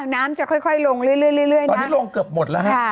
น้ำจะค่อยลงเรื่อยตอนนี้ลงเกือบหมดแล้วฮะ